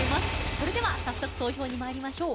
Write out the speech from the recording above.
それでは早速投票に参りましょう。